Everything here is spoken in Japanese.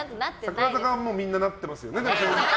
櫻坂４６はみんななってますよね。